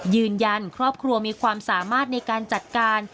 ยืนยันครอบครัวมีความสามารถในการจัดการ